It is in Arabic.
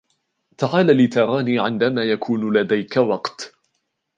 تعال لتراني عندما يكون لديك وقت.